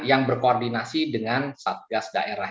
yang berkoordinasi dengan satgas daerah